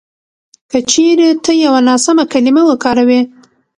که چېرې ته یوه ناسمه کلیمه وکاروې